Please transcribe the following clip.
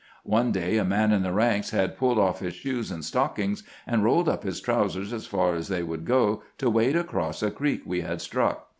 One day a man in the ranks had pulled off his shoes and stockings, and rolled up his trousers as far as they would go, to wade across a creek we had struck.